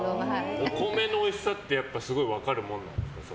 お米のおいしさってすごい分かるもんなんですか。